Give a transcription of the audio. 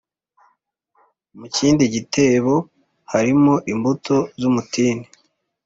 mu kindi gitebo harimo imbuto z’umutini